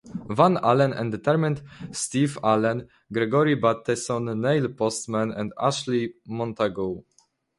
Van Allen, entertainer Steve Allen, Gregory Bateson, Neil Postman and Ashley Montagu.